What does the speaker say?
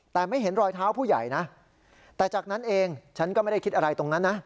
แต่ไม่เห็นรอยเท้าผู้ใหญ่นะแต่จากนั้นเองฉันก็ไม่ได้คิดอะไรตรงนั้นนะ